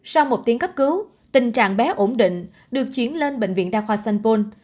sau một tiếng cấp cứu tình trạng bé ổn định được chuyển lên bệnh viện đa khoa sanpon